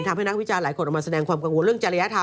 ทำให้นักวิจารณ์หลายคนออกมาแสดงความกังวลเรื่องจริยธรรม